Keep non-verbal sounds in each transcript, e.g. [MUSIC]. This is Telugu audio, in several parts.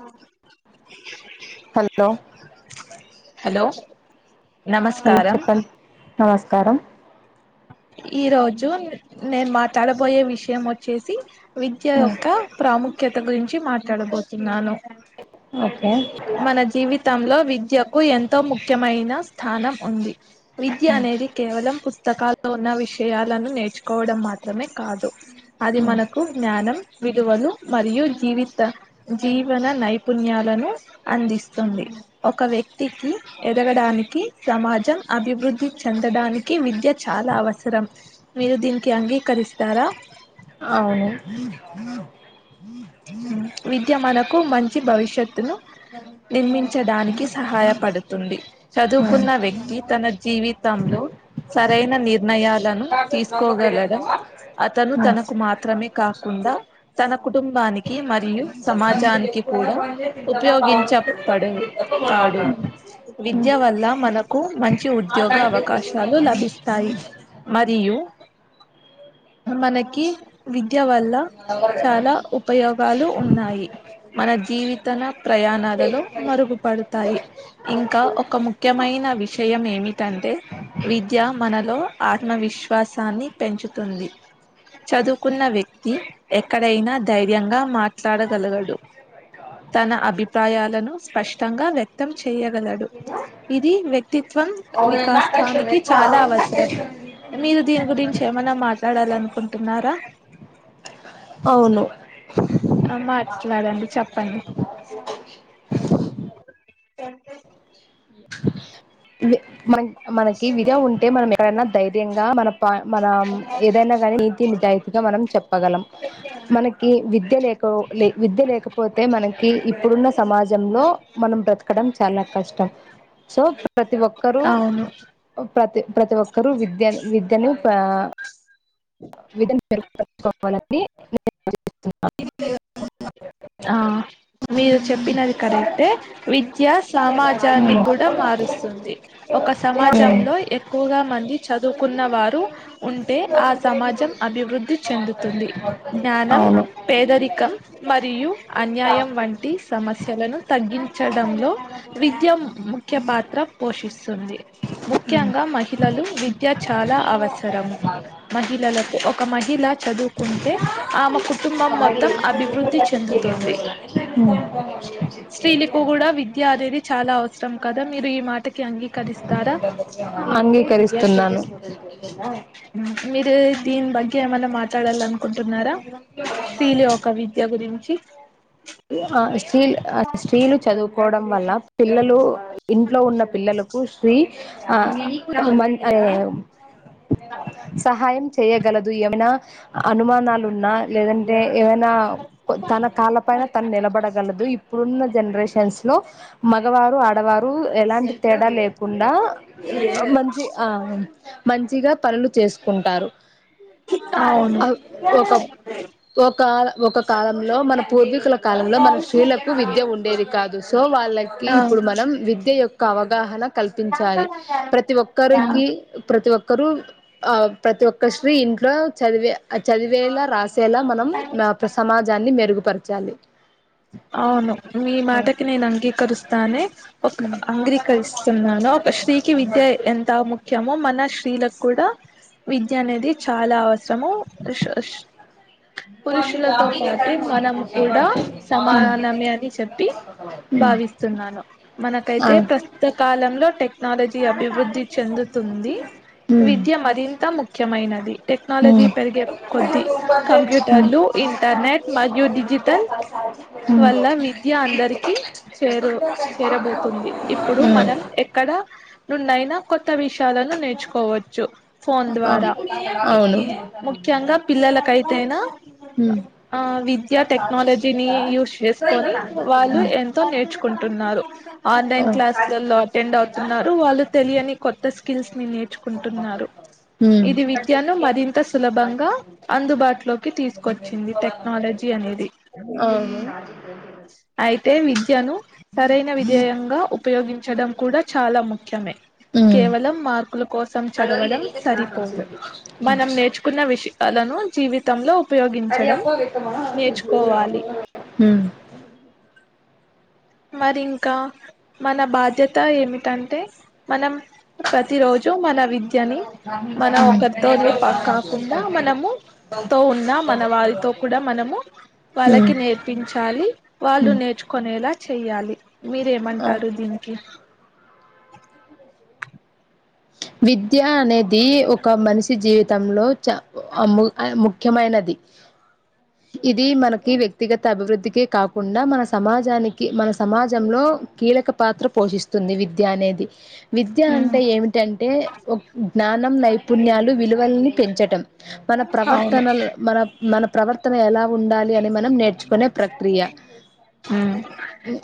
ఆఓ హలో హలో హలో నమస్కారం చెప్పండి నమస్కారం ఈ రోజు నేను మాట్లాడబోయే విషయం వచ్చేసి విద్య యొక్క ప్రాముఖ్య ముఖ్యత గురించి మాట్లాడబోతున్నాను ఓకే మన జీవితంలో విద్యకు ఎంతో ముఖ్యమైన స్థానం ఉంది విద్య అనేది కేవలం పుస్తకాలు ఉన్న విషయాలను నేర్చుకోవడం మాత్రమే కాదు అది మనకు జ్ఞానం విలువలు మరియు జీవిత జీవన నైపుణ్యాలను అందిస్తుంది ఒక వ్యక్తికి ఎదగడానికి సమాజం అభివృద్ధి చెందడానికి విద్యత్ చాలా అవసరం మీరు దీనికి అంగీకరిస్తారా అవును విద్య మనకు మంచి భవిష్యత్తును నిర్మించడానికి సహాయపడుతుంది చదువుకున్న వ్యక్తి తన జీవితంలో సరైన నిర్ణయాలను తీసుకోగలడం అతను తనకు మాత్రమే కాకుండా తన కు కుటుంబానికి మరియు సమాజ వినికి కూడా ఉపయోగించ పడతాడు విద విద్య వల్ల మనకు మంచి మంచి ఉద్యోగ అవకాశాలు లభిస్తాయి మరియు మనకి విద్య వల్ల రగాన్నా ఉయోగాలు ఉన్నాయి మన జీవిత ప్రయాణాలలో మరుగుపడతాయి ఇంకా ఒక ముఖ్యమైన విషయం ఏమిటంటే విద్య మనలో ఆత్మవిశ్వాసాన్ని పెంచుతుంది చదువుకున్న వ్యక్తి ఎక్కడైనా ధైర్యంగా మాట్లాడగలగడు తన అభిప్రాయాలను స్పష్టంగా వ్యక్తం చేయగలడు ఇది వ్యక్తి వికాసానికి చాలా అవసరం మీరు దీని గురించి ఏమైనా మాట్ మాట్లాడాలనుకుంటున్నారా అవును ఆ మాట్లాడండి చెప్పండి స మంచి మనకి విద ఉంటే మనం ఎక్కడైనా దైర్ గా మన మనం ఏదైనా కానీ నీతి నిజాయితీగా మనం చెప్పగలం మనకి విద్య వి విద్యనేక విద్యలేఖ పోతే మనకి ఇప్పుడున్న సమాజంలో మనం బ్రతకడం చాలా కష్టం సో ప్రతి ఒక్క అవును ప్రతి ప్రతి ఒక్కరు విద్య విద్యను విదం పెరు [UNINTELLIGIBLE] ుకోవాలని నేస్తున్నాను [UNINTELLIGIBLE] ఆ మీరు చెప్పినది కరెక్టే విద్య సమాజాన్ని కూడా మారుస్తుంది ఒక సమాజంలో ఎక్కువగా మంది చదువుకున్నవారు ఉంటే ఆ సమాజం అభివృద్ధి చెందుతుంది జ్ఞానం అవును పేదరికం మరి యు అన్యాయం వంటి సమస్యలను తగ్గించ పెట్టడంలో విద్య ముఖ్య పాత్ర పోషిస్తుంది ముఖ్యంగా మహిళలు విద్య చాలా అవసరము మహిళలకు ఒక మహిళ చదువుకుంటే ఆమె కుటుంబం మొత్తం అభివృద్ధి చెందుతుంది ఇష్టం కదా మీరు ఈ మాటకి అంగీకరిస్తారా అంగీకరిస్తున్నాను మీరు దీని బట్టి ఏమైనా మాట్లాడాలి అనుకుంటున్నారా ప లేో కవి [UNINTELLIGIBLE] నుంచి ఆ స్టీల్ స్త్రీ లు చదువుకోవడం వల్ల పిల్లలు ఇంట్లో ఉన్న పిల్లలకు స్త్రీ ఆ మ సహాయం చేయగలదు ఏమనా అనుమానాలు ఉన్నా లేదంటే ఏవైనా తన కాళ్ళ పైన నిలబడగలదు ఇప్పుడున్న జనరేషన్స్ లో మగవారు ఆడవారు ఎలాంటి తేడా లే కాకుండా మంచి ఆ మంచిగా పనులు చేసుకుంటారు అవును ఒక ఒక ఒక కాలంలో మన పూర్వీకుల కాలంలో మన స్త్రీలకు విద్య ఉండేది కాదు సో వాళ్ళకి ఆ ఇప్పుడు మనం విద్య యొక్క ఒక అవగాహన కల్పించాలి ప్రతి ఆ. ఒక్కరికి ప్రతి ఒక్క కరు ఆ ప్రతి ఒక్క స్త్రీ ఇంట్లో చదివే చదివేలా రాస్ చేలా మనం మ్యాప సమాజాన్ని మెరుగు పంచాలి అవును మీ మాటకి నేను అంగీకరిస్తానే ఒక అంగ్రీకరిస్తున్నాను ఒక స్త్రీకి విద్య ఎంత ముఖ్యమో మన స్త్రీల కూడా విద్య అనేది చాలా అవసరము పురుషులతో పాటు మనం కూడా సమానమే అని చెప్పి భావిస్తున్నాను మనకైతే ప్రస్తుత కాలంలో టెక్నాలజీ అభివృద్ధి చెందు తుంది విద్య మరింత ముఖ్యమైనది టెక్నాలజీ పెరిగే కొద్ది కంప్యూటర్లు ఇంటర్నెట్ మరియు డిజిటల్ వల్ల విద్య అందరికి చేరు చేరబోతుంది ఇప్పుడు ఉమ్ మనం ఎక్కడ నున్నైనా కొత్త విషయాలను నేర్చుకోవచ్చు ఫోన్ ద్వారా అవును ముఖ్యంగా పిల్లలకై తేనా హ్మ్ ఆ విద్ ద్య టెక్నోలజీని యూజ్ చేసుకొని వాళ్ళు ఎంతో నేర్చు కుంటున్నారు ఆన్లైన్ క్లాస్లలో అటెండ్ అవుతున్నారు వాళ్ళు తెలియని కొత్త స్కిల్స్ ని నేర్చుకుంటున్నారు హ్మ్ ఇది విద్యను మరింత సులభంగా అందుబాటులోకి తీసుకొచ్చింది టెక్నాలజీ అనేది అయితే విద్యను సరైన వి అధ్యయంగా ఉపయోగించడం కూడా చాలా ముఖ్యమే హ్మ్ కేవలం మార్కుల కోసం చదవడం సరిపోదు మనం నేర్చుకున్న విష వాళ్ళను జీవితంలో ఉపయోగించడం ఉమ్ నేర్చుకోవాలి అ మరి ఇంకా మన బాధ్యత ఏమిటంటే మనం ప్రతి రోజు మన వి ద్యని మన ఒకరితోనే ప కాకుండా మనము తో ఉన్న మన వారితో కూడా మనము హ్మ్ వాళ్ళకి నేర్పించాలి వాళ్ళు హ్మ్ నేర్చుకునేలా చెయ్యాలి మీరేమంటారు దీనికి విద్య అనేది ఒక మనిషి జీవితంలో చ ము ముఖ్యమైనది ఇది మనకి వ్యక్తిగత అభివృద్ధిికే కాకుండా మన సమాజానికి మన సమాజంలో కీలక పాత్ర పోషిస్తుంది విద్య అనేది విద్య ఉమ్ అంటే ఏమి టెంటే ఒ జ్ఞానం నైప్ పుణ్యాలు విలువల్ని పెంచటం. మన అవును ప్రవర్తనల్ మన మన ప్రవర్తన ఎలా ఉండాలి అని మనం నేర్చ్ కొనే ప్రక్రియ ఉమ్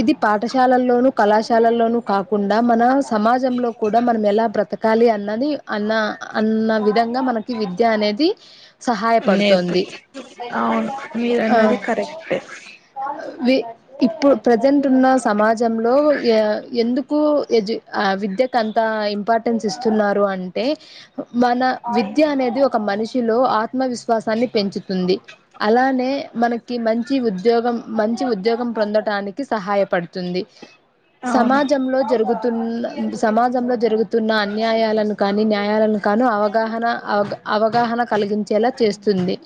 ఇది పాఠశ్ శాలల్లోనూ కళాశాలల్లోనూ కాకుండా మన సమాజంలో కూడా మనం ఎలా బతకాలి అన్నది అన్న అన్న విధంగా మనకి విద్య అనేది నేర్పు సహాయపడుతుంది అవును ఆ మీరన్నది కరెక్టే వి ఇప్పుడ్ ప్రజెంట్ ఉన్న సమాజంలో ఎ ఎందుక్ కు ఎజుక్ ఆ విద్యకు అంత ఇంపార్ట్ టెన్స్ ఇస్తున్నారు అంటే హ మన విద్యా అనేది ఒక్ ఒక మనిషిలో ఆత్మవిస్వాసాన్ని పెంచుతుంది. అలానే మనక్ కి మంచి ఉద్యోగం, మంచి ఉద్యోగం ప్రొందటానికి సహాయపడుతుంది. అవును సమాజంలో జరుగుత్ తున్న సమాజంలో జరుగుత్ తున్న అన్యాయాలను కానీ న్యాయాలను కానీ అవగాహన అవగ్ అవగాహన. కలిగించేలా చేస్తుంది.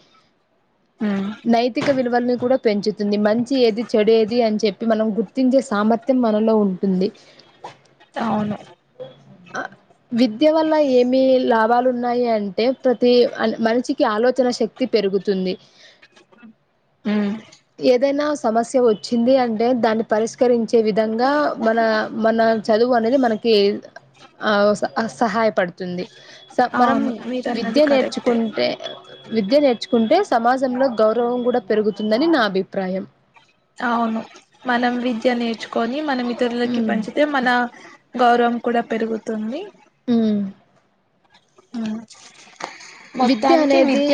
ఉమ్ నైతిక విలువల్ని కూడక్ పెంచుతుంది మంచి ఏది చెడు ఏద్ ది అని చెప్పి మనం గుర్తించే సామర్థ్యం మనలో ఉంటుంది. అవును అ విద్య వల్ల ఏమి లాబాలు ఉన్నాయి అంటే ప్రతి అన్ మనిషికి ఆలోచన శక్తి పెరుగుతుంది. హ్మ్ ఏదైనా సమస్య వచ్చింది అంటే దాన్ని పరిస్కరించే విధంగా మన మన చదువు అనేది మనక్ కి అవు స అ సహాయపడుతుంది. స మనం అవును విద్య మీరన్నది కరెక్టే నేర్చుకుంటే విద్య నేర్చుకుంటే సమాజంలో గౌరవం కూడా పెరుగుతుందని నా అభిప్రాయం. అవును మనం విద్య నేర్చు కొని మనం ఇతరులకి ఉమ్ పంచితే మన గౌరవం కూడా పెరుగుతుంది. ఉమ్ ఆ విద్యా అనేదీ,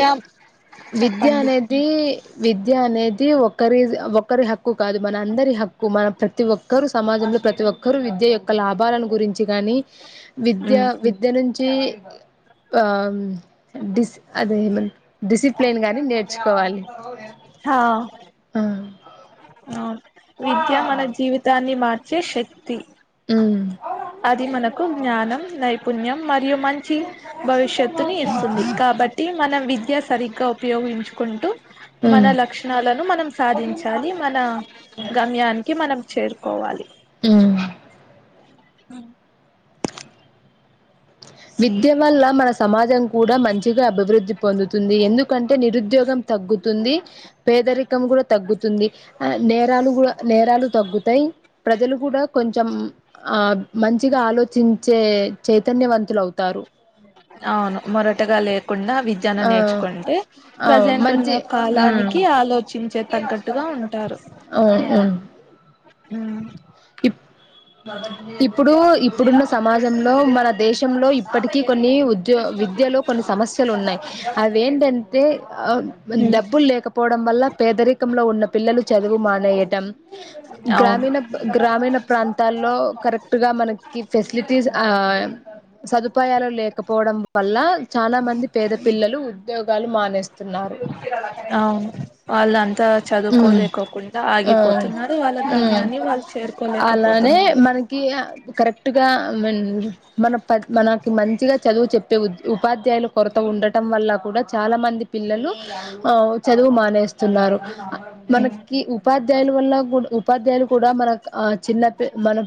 విద్యా చెప్పండి అనేదీ విద్ విద్యా అనేది ఒక్కరీజ్ ఒక్కరి హక్కు కాదు. మన అందరి హక్కు మన ప్రతి ఒక్కరు సమాజంలో ప్రతి ఒక్కరు విద్య యొక్క లాభాలను గురించి గానీ, విద్యా ఉమ్, విద్య నుంచీ ఆం డిస్ అది ఏమంటర్ డిసిప్లేన్ గాని నేర్చుకోవాలి. హా ఆ విద్యా మన జీవితాన్ని మా ర్చే శక్తి. ఊ అది మనకు జ్ఞానం, నైపుణ్యం మరియు మంచి భవిష్యత్తునీ ఇస్తుంది. కాబట్టి మన విద్య సరిగ్గా ఉపయోగించుకుంటూ మన ఉమ్ లక్షణాలను మనం సాధించాలి. మనా గమ్యానికి మనం చేరుకోవాలి ఉమ్ అ విద్య వల్ల మన సమాజం కూడా మంచిగా అభివృద్ధి పొందుతుంది. ఎందుకంటే నిరుద్యోగం తగ్గుతుంది. పేదరికం గూడ తగ్గుతుంది. నేరాలు గూడా, నేరాలు తగ్గుతయి. ప్రజలు గూడా కొంచెం ఆ మంచిగా ఆలోచిం చే చైతన్యవంత్ తులవుతారు. అవును మొరటగా లేకుండా విద్యను ఆ నేర్చుకుంటే ఆ ప్రజెంట్ మంచి ఉన్న ఉమ్ కాలానికీ ఆలోచించే తగ్గట్టుగా ఉంటారు. అవును ఊ ఇప్పుడూ ఇప్పుడున్న సమాజ్ జంలో మన దేశంలో ఇప్పటికీ కొన్నీ ఉద్యో విద్యలో కొన్ని సమస్యలు ఉన్నాయి. అవేటంట్ తే ఆ డబ్బుల్ లేకపోవడం వల్ల పేదరికంలో ఉన్న పిల్లలు చదువు మానేయటం. అవును గ్రామీణ గ్రామీణ ప్రాంతాల్లో కరెక్ట్గా మనకి ఫెసిలిటీస్ ఆ సదుపాయాలు లేకపోవడం వల్లా, చాలా మంది పేద పిల్లలూ ఉ ద్యోగాలు మానే అవును వాళ్ళంతా ఉమ్ చదువుకోలేకోకుండా ఆ ఆగిపోతున్నారు. వాళ్ళ ఉమ్ గమ్యాన్ని వాళ్ళు అలానే చేరుకోలేకపోతున్నారు. మనకి కరెక్ట్ గా మన్ మన ప మనకి మంచిగా చదువు చెప్పే ఉపాధ్యాయుల కొరత ఉండటం వల్ల కూడా చాలా మంది పిల్లలు, ఆ చదువు మానేస్తున్నారు. ఉమ్ మనకీ ఉ ఉపాధ్యాయుల వల్ల కూడ, ఉపాధ్యాయులు కూడా మన చిన్న మన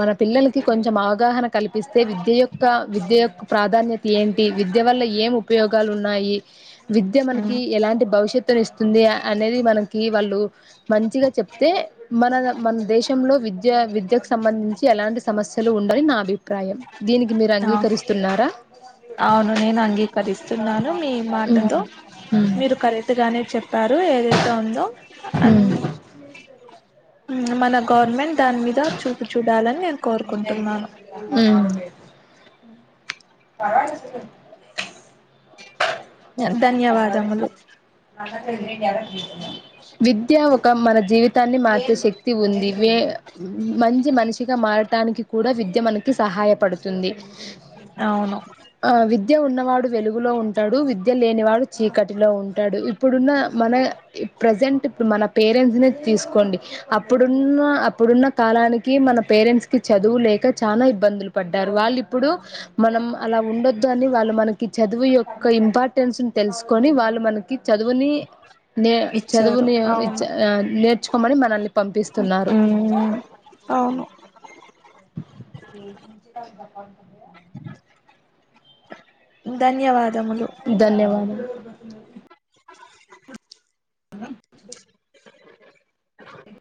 మన పిల్లలకి కొంచెం అవగాహన కల్పిస్తే, విద్య యొక్క విద్య యొక్క ప్రాధాన్యత ఏంటి, విద్య వల్ల ఏం ఉపయోగాలు ఉన్నాయి. విద్య ఉమ్, మనకి ఎలాంటి భవిష్యత్తును ఇస్తుంది అనేది. మనకి వాళ్ళు మంచిగా చెప్తే, మన మన దేశంలో విద్య విద్యకు సంబంధించి ఎలాంటి సమస్యలు ఉండని నా అభిప్రాయం. దీనికి మీరు ఆ అంగీకరిస్తున్నారా. అవును నేను అంగీకరిస్తున్నాను మీ ఉమ్ మాటతో. ఉమ్ మీరు కరెక్టుగానే చెప్పార్ రూ ఏదైతే ఉందో. అన్ ఉమ్ మనం గవర్మెంట్ దాని మీద చూపు చూడాలని నేను కోరుకుంటున్నాను. పాదల [UNINTELLIGIBLE] ధన్యవాదములు విద్య ఒక మన జీవితాన్ని మార్చే శక్తి ఉంది. వే మంచి మనిషిగా మారటానికి కూడా విద్య మనకి సహాయపడుతుంది. అవును ఆ విద్య ఉన్నవాడు వెలుగులో ఉంటాడు, విద్య లేనివాడు చీకటిలో ఉంటాడు. ఇప్పుడున్న మన ఈ ప్రజెంట్ ఇప్పుడు మన పేరెంట్స్ నే తీసుకోండి. అప్పుడున్న అప్పుడున్న కాలానికి మన పేరెంట్స్ కి చదువు లేక చానా ఇబ్బందులు పడ్డారు. వాళ్ళు ఇప్పుడు మనం అలా ఉండొదని వాళ్ళు మనకి చదువు యొక్క ఇంపార్టెన్స్ తెలుసుకొని వాళ్ళు మనకి చదువుని నే ఇచ్చారు చదువునే ఇచ్చ ఆ నేర్ ర్చుకోమని మనల్ని హు పంపిస్తున్నారు అవును అవును త ద దకాం క ధన్యవాద్ మ్మ్ ధన్యవాదములు జ్వరం వచ్చిందే అ